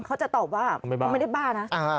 เขาจะตอบว่าไม่บ้าไม่ได้บ้านะอ่า